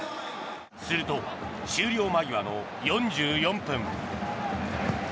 すると、終了間際の４４分。